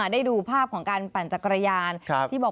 ได้ดูภาพของการปั่นจักรยานที่บอก